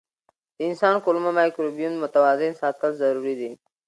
د انسان کولمو مایکروبیوم متوازن ساتل ضروري دي.